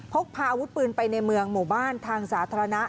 พกพาอาวุธปืนไปในเมืองหมู่บ้านทางสาธารณะ